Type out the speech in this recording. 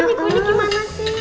ibu ini gimana sih